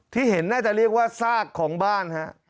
ที่เห็นน่าจะเรียกว่าซากของบ้านฮะ